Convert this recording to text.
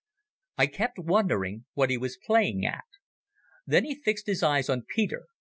I kept wondering what he was playing at. Then he fixed his eyes on Peter.